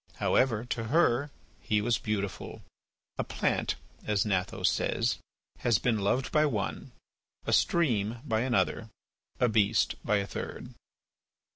However, to her he was beautiful. "A plant," as Gnatho says, "has been loved by one, a stream by another, a beast by a third."